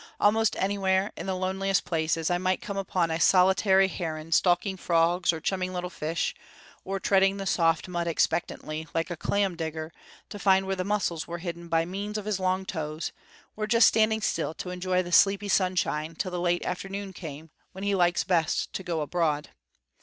Almost anywhere, in the loneliest places, I might come upon a solitary heron stalking frogs, or chumming little fish, or treading the soft mud expectantly, like a clam digger, to find where the mussels were hidden by means of his long toes; or just standing still to enjoy the sleepy sunshine till the late afternoon came, when he likes best to go abroad.